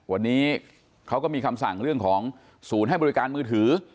วันนี้เขาก็มีคำสั่งเรื่องของศูนย์ให้บริการมือถือ